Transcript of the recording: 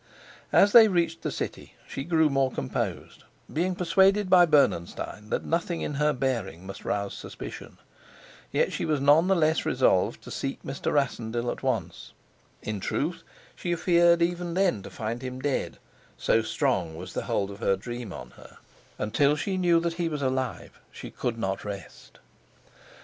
As they reached the city, she grew more composed, being persuaded by Bernenstein that nothing in her bearing must rouse suspicion. Yet she was none the less resolved to seek Mr. Rassendyll at once. In truth, she feared even then to find him dead, so strong was the hold of her dream on her; until she knew that he was alive she could not rest.